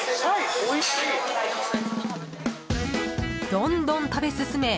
どんどん食べ進め